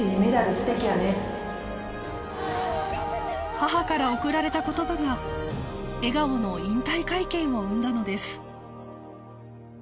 母から贈られた言葉が笑顔の引退会見を生んだのです